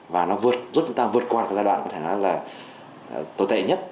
và nó giúp chúng ta vượt qua cái giai đoạn có thể nói là tồi tệ nhất